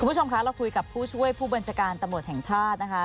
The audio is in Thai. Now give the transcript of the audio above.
คุณผู้ชมคะเราคุยกับผู้ช่วยผู้บัญชาการตำรวจแห่งชาตินะคะ